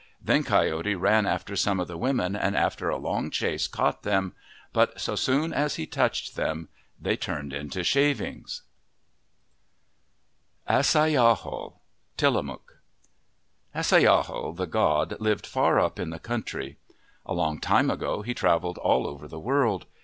Then Coyote ran after some of the women and after a long chase caught them. But so soon as he touched them, they turned into shavings. 55 MYTHS AND LEGENDS AS AI YAHAL Tillamook AAI YAHAL, the god, lived far up in the country. A long time ago he travelled all over the world.